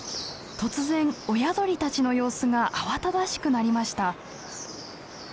突然親鳥たちの様子が慌ただしくなりました。